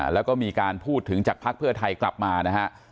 แล้วก็มีการพูดถึงจากภักดิ์เพื่อไทยกลับมานะฮะ